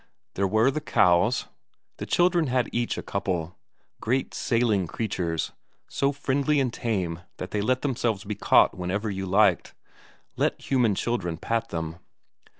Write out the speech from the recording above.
There were the cows, the children had each a couple, great sailing creatures, so friendly and tame that they let themselves be caught whenever you liked; let human children pat them.